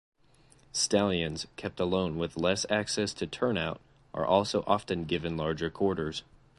Stallions, kept alone with less access to turnout, are also often given larger quarters.